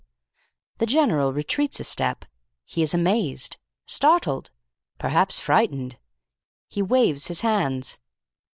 "The General retreats a step. He is amazed. Startled. Perhaps frightened. He waves his hands.